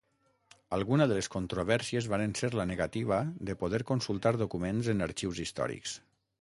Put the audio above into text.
Alguna de les controvèrsies varen ser la negativa de poder consultar documents en arxius històrics.